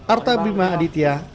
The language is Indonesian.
arta brima aditya